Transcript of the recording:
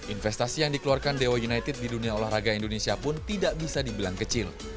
investasi yang dikeluarkan dewa united di dunia olahraga indonesia pun tidak bisa dibilang kecil